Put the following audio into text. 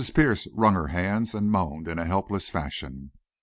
Pierce wrung her hands and moaned in a helpless fashion.